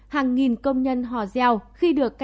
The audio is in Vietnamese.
hàng nghìn công nhân hò reo